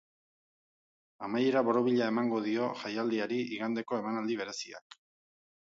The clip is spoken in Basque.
Amaiera borobila emango dio jaialdiari igandeko emanaldi bereziak.